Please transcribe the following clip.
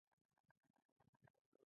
عام ټرانسپورټ ته پراختیا ورکوي.